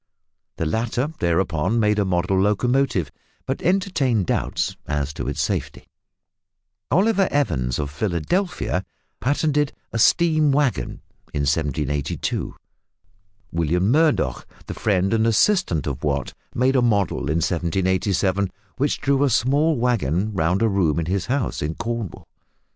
The latter thereupon made a model locomotive, but entertained doubts as to its safety. Oliver Evans, of Philadelphia, patented a "steam waggon" in 1782. William Murdoch, the friend and assistant of Watt, made a model in 1787 which drew a small waggon round a room in his house in Cornwall.